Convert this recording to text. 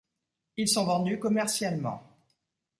Ils sont vendus commercialement.